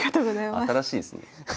新しいですね。